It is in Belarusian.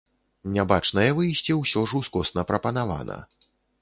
Нябачнае выйсце ўсё ж ускосна прапанавана.